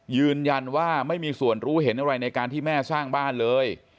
ยืนยันว่าไม่มีส่วนรู้เห็นอะไรในการที่แม่สร้างบ้านเลย